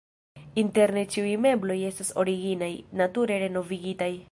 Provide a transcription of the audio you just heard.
Interne ĉiuj mebloj estas originaj, nature renovigitaj.